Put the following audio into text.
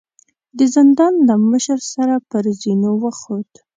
د زندان له مشر سره پر زينو وخوت.